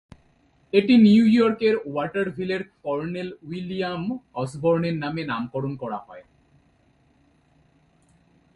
এটি নিউ ইয়র্কের ওয়াটারভিলের কর্নেল উইলিয়াম অসবর্নের নামে নামকরণ করা হয়।